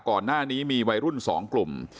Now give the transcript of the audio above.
ก่อนหน้านี้มีวัยรุ่น๒กลุ่ม